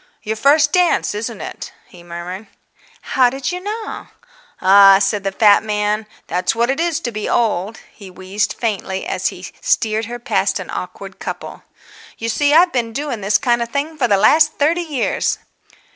"Your first dance, isn't it?" he murmured. "How did you know?" "Ah," said the fat man, "that's what it is to be old!" He wheezed faintly as he steered her past an awkward couple. "You see, I've been doing this kind of thing for the last thirty years."